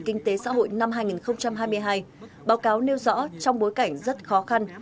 kinh tế xã hội năm hai nghìn hai mươi hai báo cáo nêu rõ trong bối cảnh rất khó khăn